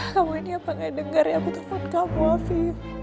kamu ini apa gak dengar yang ketepat kamu afi